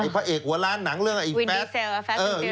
ไอ้พระเอกหัวล้านหนังเรื่องไอ้แฟสวินดีเซลล่ะแฟสคุณเตียร์เยียด